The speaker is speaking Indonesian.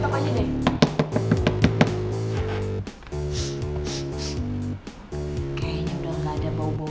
kayaknya udah gak ada bau bau